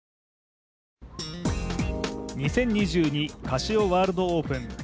２０２２カシオワールドオープン。